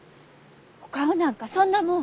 お顔なんかそんなもん。